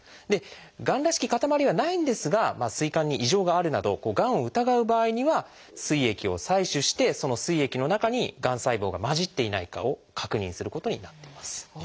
がんらしき塊はないんですが膵管に異常があるなどがんを疑う場合には膵液を採取してその膵液の中にがん細胞が混じっていないかを確認することになっています。